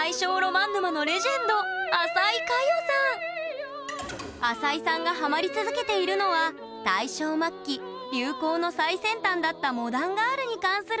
この方こそ淺井さんがハマり続けているのは大正末期流行の最先端だったモダンガールに関する文化。